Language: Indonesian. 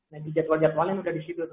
nah di jadwal jadwal ini sudah di situ